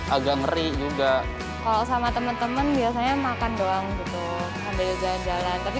agak ngeri juga kalau sama temen temen biasanya makan doang gitu sambil jalan jalan tapi